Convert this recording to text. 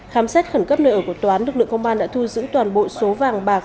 khám xét khẩn cấp nơi ở của toán lực lượng công an đã thu giữ toàn bộ số vàng bạc